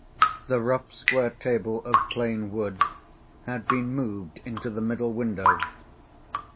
The rough square table of plain wood had been moved into the middle window.